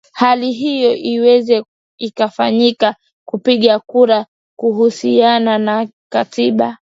hali hiyo iweze ikafanyika kupiga kura kuhusiana na katiba